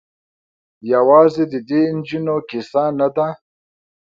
یوازې د دې نجونو کيسه نه ده.